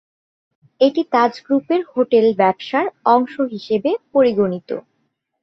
এটি তাজ গ্রুপের হোটেল ব্যবসার অংশ হিসাবে পরিগণিত।